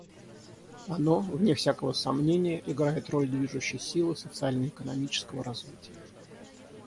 Оно, вне всякого сомнения, играет роль движущей силы социально-экономического развития.